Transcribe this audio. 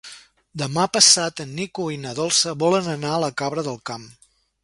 Demà passat en Nico i na Dolça volen anar a Cabra del Camp.